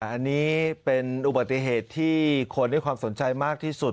อันนี้เป็นอุบัติเหตุที่คนให้ความสนใจมากที่สุด